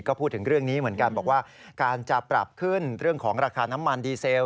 ก็พูดถึงเรื่องนี้เหมือนกันบอกว่าการจะปรับขึ้นเรื่องของราคาน้ำมันดีเซล